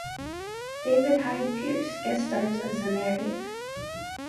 David Hyde Pierce guest stars as the narrator.